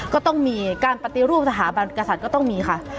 ก็ต้องมีการปฏิรูปสถาบันกษัตริย์ก็ต้องมีค่ะ